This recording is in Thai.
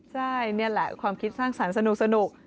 ใช่นี่แหละความคิดสร้างสรรค์สนุก